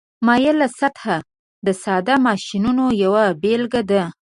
مایله سطحه د ساده ماشینونو یوه بیلګه ده.